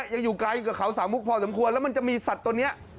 ยังอยู่ไกลกับเขาสามมุกพอสมควรแล้วมันจะมีสัตว์ตัวนี้